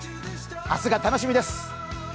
明日が楽しみです。